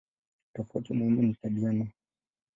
Tofauti muhimu ni tabia no.